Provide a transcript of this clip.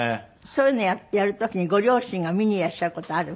そういうのやる時にご両親が見にいらっしゃる事ある？